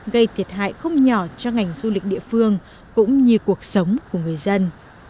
gây thiệt hại không nhỏ cho ngành du lịch địa phương cũng như cuộc sống của người dân